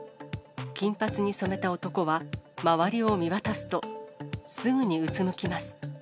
金髪に染めた男は、周りを見渡すと、すぐにうつむきます。